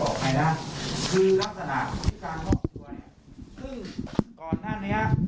จุดนั้นคือรักษณะที่กาโนตัวเนี่ยซึ่งก่อนนั้นเนี้ย